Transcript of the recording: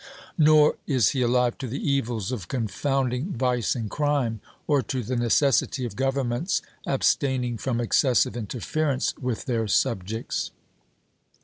Nor is he alive to the evils of confounding vice and crime; or to the necessity of governments abstaining from excessive interference with their subjects.